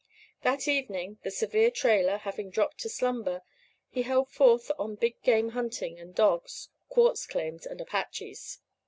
That evening, the severe Trailer having dropped to slumber, he held forth on big game hunting and dogs, quartz claims and Apaches.